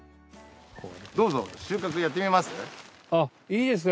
どうぞ。